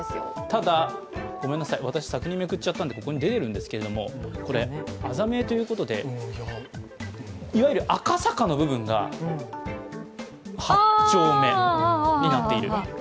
ただごめんなさい、私、先にめくっちゃったんで出てるんですけれどもこれ、字名ということで、いわゆる赤坂の部分が八丁目になっている。